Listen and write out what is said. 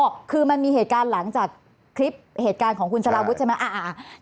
ก็คือมันมีเหตุการณ์หลังจากคลิปเหตุการณ์ของคุณสารวุฒิใช่ไหม